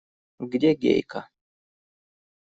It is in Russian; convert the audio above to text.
Где Гейка?